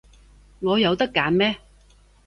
我有得揀咩？